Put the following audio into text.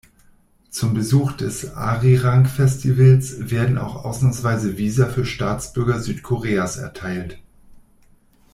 Zum Besuch des Arirang-Festivals werden auch ausnahmsweise Visa für Staatsbürger Südkoreas erteilt.